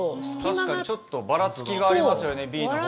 確かにちょっとバラつきがありますよね